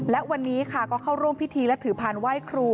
และวันนี้ค่ะก็เข้าร่วมพิธีและถือพานไหว้ครู